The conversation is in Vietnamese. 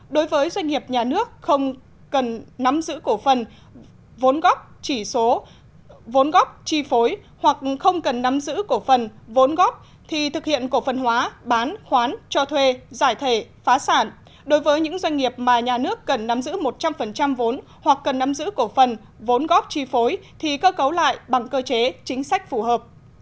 bốn đối với doanh nghiệp nhà nước không cần nắm giữ cổ phần vốn góp chỉ số vốn góp chi phối hoặc không cần nắm giữ cổ phần vốn góp thì thực hiện cổ phần hóa bán khoán cho thuê giải thể phá sản đối với những doanh nghiệp mà nhà nước cần nắm giữ một trăm linh vốn hoặc cần nắm giữ cổ phần vốn góp chi phối thì cơ cấu lại bằng cơ chế chính sách phù hợp